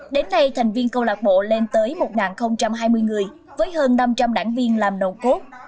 đến nay thành viên câu lạc bộ lên tới một hai mươi người với hơn năm trăm linh đảng viên làm nồng cốt